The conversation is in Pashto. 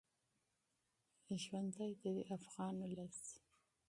ژوندی دې وي افغان ولس.